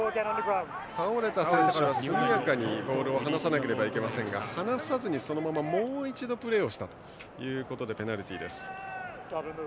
倒れた選手はボールを速やかに離さなくてはいけませんが離さずに、そのままもう一度プレーをしたということでペナルティーです。